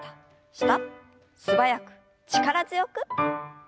素早く力強く。